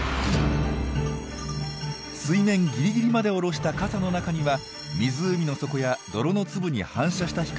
水面ギリギリまで下ろした傘の中には湖の底や泥の粒に反射した光しか入ってきません。